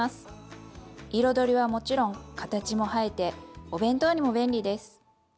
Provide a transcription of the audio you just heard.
彩りはもちろん形も映えてお弁当にも便利です！